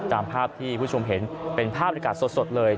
ตามภาพที่คุณผู้ชมเห็นเป็นภาพบริการสดเลย